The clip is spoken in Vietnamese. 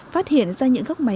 phát hiện ra những góc máy máy